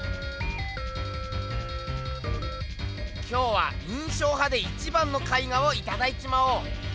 今日は印象派で一番の絵画をいただいちまおう。